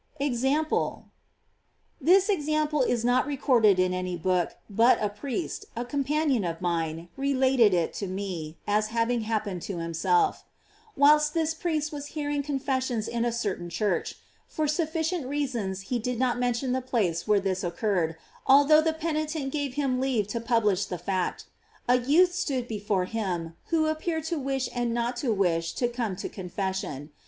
EXAMPLE. This example is not recorded in any book, but a priest, a companion of mine, related it to me, as having happened to himself. Whilst this priest was hearing confessions in a certain church (for sufficient reasons he did not mention the place where this occurred, although the peni tent gave him leave to publish the fact), a youth stood before him, who appeared to wish and not to wish to come to confession.